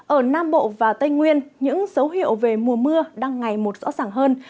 ở nam bộ và tây nguyên những dấu hiệu về mùa mưa đang ngày một rõ ràng hơn